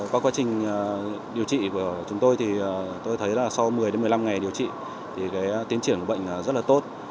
qua quá trình điều trị của chúng tôi thì tôi thấy là sau một mươi đến một mươi năm ngày điều trị thì tiến triển của bệnh rất là tốt